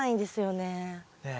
ねえ。